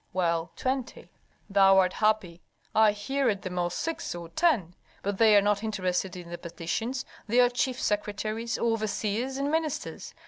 "Well, twenty." "Thou art happy. I hear at the most six or ten, but they are not interested in the petitions, they are chief secretaries, overseers, and ministers.